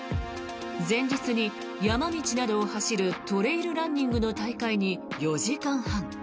前日に山道などを走るトレイルランニングの大会に４時間半。